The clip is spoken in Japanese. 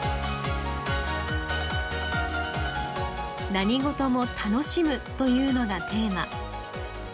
「何事も楽しむ」というのがテーマ。